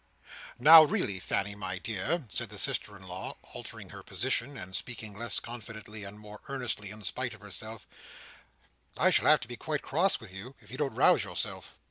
"Now, really, Fanny my dear," said the sister in law, altering her position, and speaking less confidently, and more earnestly, in spite of herself, "I shall have to be quite cross with you, if you don't rouse yourself.